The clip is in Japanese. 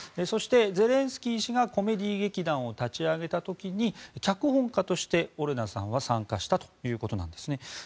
そして、ゼレンスキー氏がコメディー劇団を立ち上げた時に脚本家としてオレナさんは参加したということなんですね。